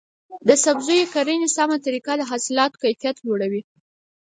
د سبزیو د کرنې سمه طریقه د حاصلاتو کیفیت لوړوي.